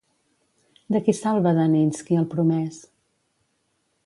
De qui salva Daninsky al promès?